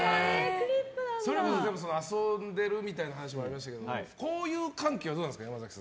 遊んでるみたいな話もありましたけど交友関係はどうなんですか